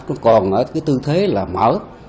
nó còn ở cái tư thế là mở